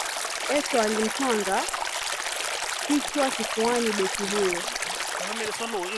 etoo alimtwanga kichwa kifuani beki huyo